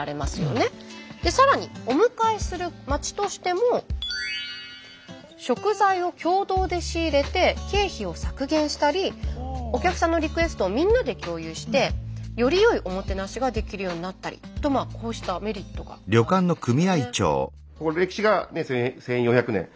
で更にお迎えする街としても食材を共同で仕入れて経費を削減したりお客さんのリクエストをみんなで共有してよりよいおもてなしができるようになったりとまあこうしたメリットがあるんですよね。